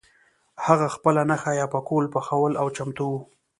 هغه خپله نښه یا پکول پخول او چمتو وو.